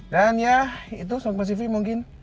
dan ya itu sobat tempat cv mungkin